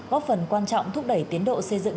góp phần quan trọng thúc đẩy tiến độ xây dựng